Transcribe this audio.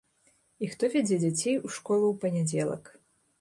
І хто вядзе дзяцей у школу ў панядзелак.